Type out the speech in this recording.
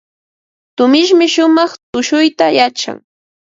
Tumishmi shumaq tushuyta yachan.